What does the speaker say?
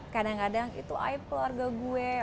kadang kadang itu aib keluarga gue